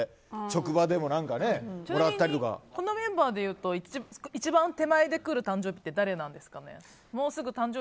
職場でも何かちなみにこのメンバーでいうと一番手前で来る誕生日って誰なんですかね？